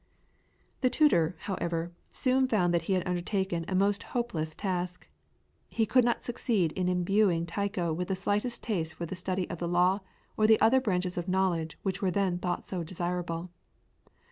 The tutor, however, soon found that he had undertaken a most hopeless task. He could not succeed in imbuing Tycho with the slightest taste for the study of the law or the other branches of knowledge which were then thought so desirable.